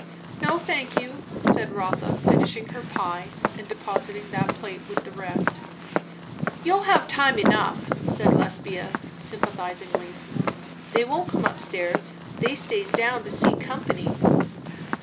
"No, thank you," said Rotha, finishing her pie and depositing that plate with the rest. "You'll have time enough," said Lesbia sympathizingly. "They won't come up stairs; they stays down to see company."